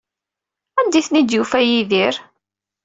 Anda ay ten-id-yufa Yidir?